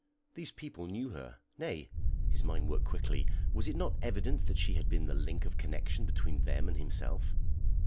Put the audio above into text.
These people knew her; nay (his mind worked quickly), was it not evident that she had been the link of connection between them and himself?